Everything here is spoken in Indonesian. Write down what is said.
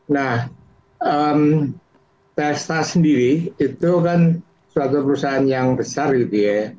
nah pesta sendiri itu kan suatu perusahaan yang besar gitu ya